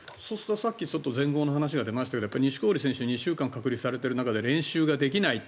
さっき全豪の話が出ましたけど錦織選手２週間隔離されている中で練習ができないと。